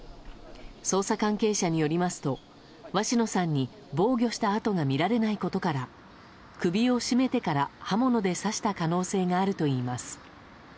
捜査関係者によりますと鷲野さんに防御した痕が見られないことから首を絞めてから刃物で刺した可能性があるといいます。